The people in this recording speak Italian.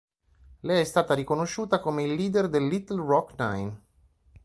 Lei è stata riconosciuta come il leader del Little Rock Nine.